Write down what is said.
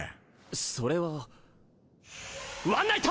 それはワンナイト！